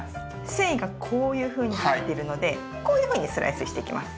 繊維がこういうふうに入っているのでこういうふうにスライスしていきます。